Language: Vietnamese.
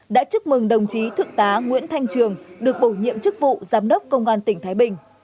đã chúc mừng đồng chí thượng tá nguyễn thanh trường được bổ nhiệm chức vụ giám đốc công an tỉnh thái bình